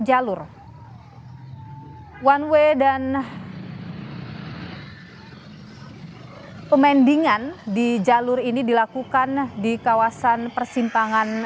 jalur one way dan pemendingan di jalur ini dilakukan di kawasan persimpangan